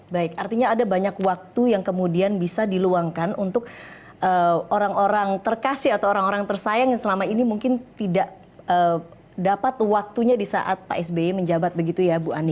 baik artinya ada banyak waktu yang kemudian bisa diluangkan untuk orang orang terkasih atau orang orang tersayang yang selama ini mungkin tidak dapat waktunya di saat pak sby menjabat begitu ya bu ani